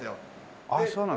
あっそうなんだ。